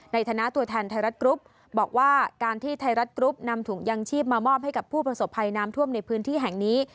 ในฐานะตัวแทนไทยรัฐกรุ๊ปบอกว่าการที่ไทยรัฐกรุ๊ปนำถุงยางชีพมามอบให้กับผู้ประสบภัยน้ำท่วมในพื้นที่แห่งนี้